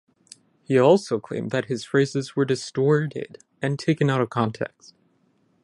He also claimed that his phrases were distorted and taken out of context.